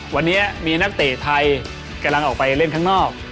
วันนี้มีนักเตะไทยกำลังออกไปเล่นข้างนอก